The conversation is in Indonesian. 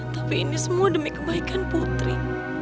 tapi ini semua demi kebaikan putri